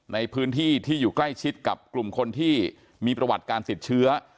ในพื้นที่ที่อยู่ใกล้ชิดกับกลุ่มคนที่มีประวัติการติดเชื้อ